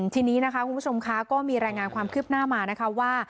ทีนี้นะคะคุณผู้ชมคะก็มีรายงานความคืบหน้ามานะคะว่า